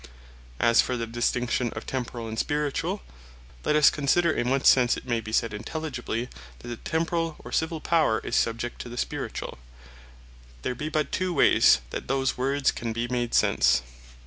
As for the distinction of Temporall, and Spirituall, let us consider in what sense it may be said intelligibly, that the Temporall, or Civill Power is subject to the Spirituall. There be but two ways that those words can be made sense.